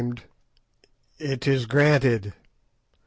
"It is granted.